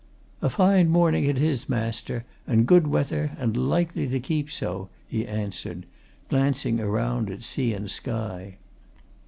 "A fine morning it is, master, and good weather, and likely to keep so," he answered, glancing around at sea and sky.